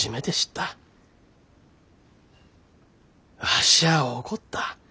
わしゃあ怒った。